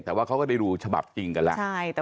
แต่ว่าเขาก็ได้ดูฉบับจริงกันแล้ว